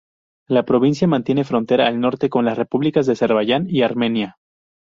La provincia mantiene frontera al norte con las repúblicas de Azerbaiyán y Armenia.